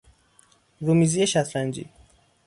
رومیزی شطرنجی